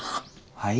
はい？